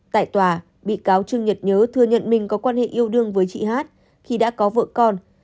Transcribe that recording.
tại tòa bị cáo trương nhật nhớ thừa nhận mình có quan hệ yêu đương với chị hát khi đã có vợ con